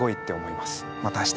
また明日。